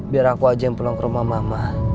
biar aku aja yang pulang ke rumah mama